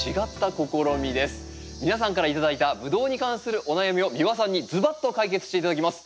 皆さんから頂いたブドウに関するお悩みを三輪さんにズバッと解決して頂きます。